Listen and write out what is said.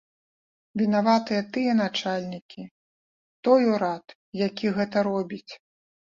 Вінаватыя тыя начальнікі, той урад, які гэта робіць.